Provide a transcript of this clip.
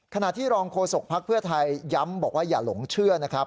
ขณะที่รองโฆษกภักดิ์เพื่อไทยย้ำบอกว่าอย่าหลงเชื่อนะครับ